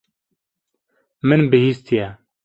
Min bihîstiye.